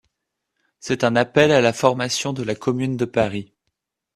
C'est un appel à la formation de la Commune de Paris.